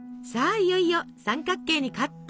いよいよ三角形にカット。